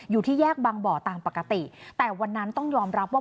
อยู่ที่แยกบางบ่อตามปกติแต่วันนั้นต้องยอมรับว่า